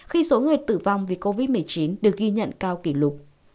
khi số người tử vong vì covid một mươi chín được ghi nhận cao kỷ lục